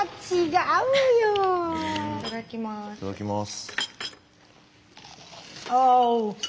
いただきます。